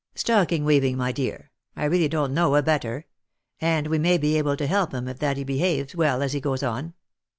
"■' Stocking weaving, my dear, I really don't know a better ; and we may be able to help him in that if he behaves well as he goes on."